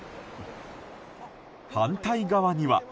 反対側には。